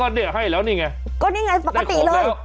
อันนี้ก็ให้แล้วนี่ไงได้โขมแล้วก็นี่ไงปกติเลย